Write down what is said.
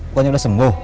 guanya udah sembuh